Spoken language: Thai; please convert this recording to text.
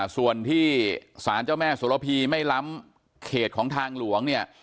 ส่วนที่สารเจ้าแม่สุรพีไม่ล้ำเขตของทางหลวงเนี่ย